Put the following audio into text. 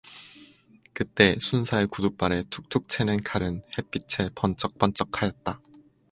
그때 순사의 구둣발에 툭툭 채는 칼은 햇빛에 번쩍번쩍 하였다.